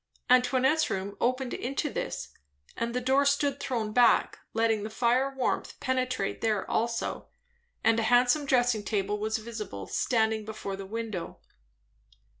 Antoinette's room opened into this, and the door stood thrown back, letting the fire warmth penetrate there also; and a handsome dressing table was visible standing before the window.